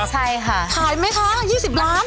ใช่ค่ะขายไหมคะ๒๐ล้าน